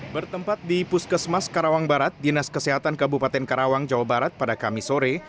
bertempat di puskesmas karawang barat dinas kesehatan kabupaten karawang jawa barat pada kamis sore